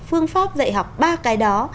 phương pháp dạy học ba cái đó